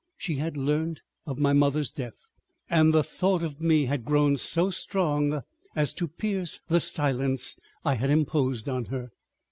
She had learnt of my mother's death, and the thought of me had grown so strong as to pierce the silence I had imposed on her.